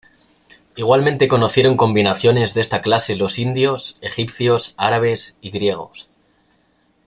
Igualmente conocieron combinaciones de esta clase los indios, egipcios, árabes y griegos.